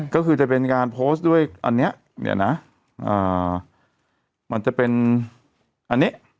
ก็คือจะเป็นการโพสต์ด้วยอันเนี้ยนะอ่ามันจะเป็นอันนี้